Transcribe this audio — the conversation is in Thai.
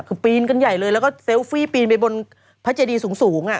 คือปีนกันใหญ่เลยแล้วก็เซลฟี่ปีนไปบนพระเจดีสูง